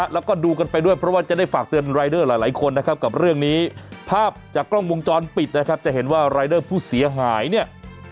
แล้วก็ดูกันไปด้วยเพราะว่าจะได้ฝากเตือนรายเดอร์หลายคนนะครับกับเรื่องนี้ภาพจากกล้องวงจรปิดนะครับจะเห็นว่ารายเดอร์ผู้เสียหายเนี่ย